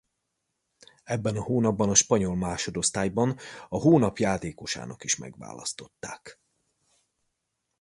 Ebben a hónapban a spanyol másodosztályban a hónap játékosának is megválasztották.